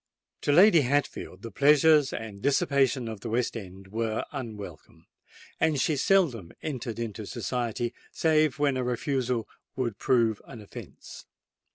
To Lady Hatfield the pleasures and dissipation of the West End were unwelcome; and she seldom entered into society, save when a refusal would prove an offence.